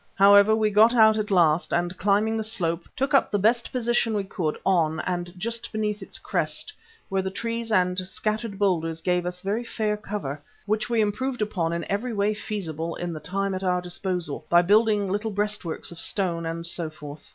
However, we got out at last and climbing the slope, took up the best position we could on and just beneath its crest where the trees and scattered boulders gave us very fair cover, which we improved upon in every way feasible in the time at our disposal, by building little breastworks of stone and so forth.